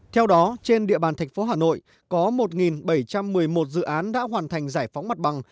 theo đó trên địa bàn thành phố hà nội có một bảy trăm một mươi một dự án đã hoàn thành giải phóng mặt bằng